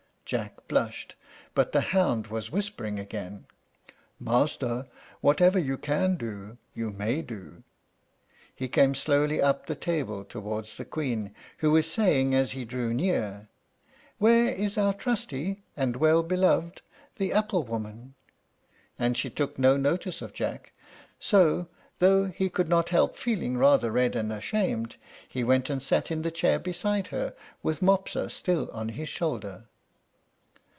Jack blushed; but the hound whispering again, "Master, whatever you can do you may do," he came slowly up the table towards the Queen, who was saying, as he drew near, "Where is our trusty and well beloved, the apple woman?" And she took no notice of Jack; so, though he could not help feeling rather red and ashamed, he went and sat in the chair beside her with Mopsa still on his shoulder.